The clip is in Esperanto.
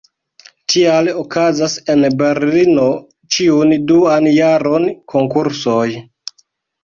Tial okazas en Berlino ĉiun duan jaron konkursoj.